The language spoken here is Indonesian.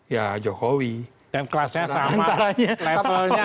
ya jokowi dan kelasnya sama levelnya